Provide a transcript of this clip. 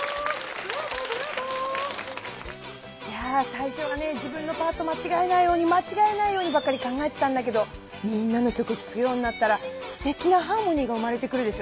さいしょは自分のパートまちがえないようにまちがえないようにばっかり考えてたんだけどみんなの曲聴くようになったらすてきなハーモニーが生まれてくるでしょう？